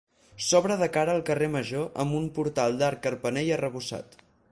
S'obre de cara al carrer Major amb un portal d'arc carpanell arrebossat.